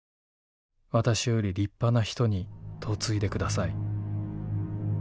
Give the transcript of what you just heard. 私より立派な人に嫁いでください。